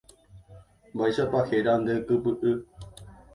Mba'éichapa héra nde kypy'y.